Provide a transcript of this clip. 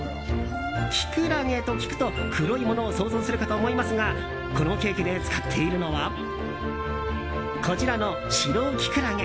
キクラゲと聞くと、黒いものを想像するかと思いますがこのケーキで使っているのはこちらのシロキクラゲ。